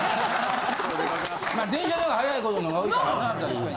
電車のほうが早いことのほうが多いからな。